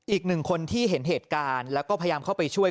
อีกหนึ่งคนที่เห็นเหตุการณ์แล้วก็พยายามเข้าไปช่วย